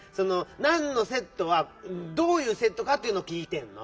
「なんのせっと」はどういうセットかっていうのをきいてんの！